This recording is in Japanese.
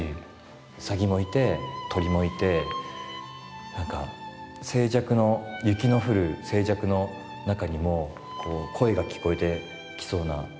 ウサギもいて鳥もいて雪の降る静寂の中にも声が聞こえてきそうなところに。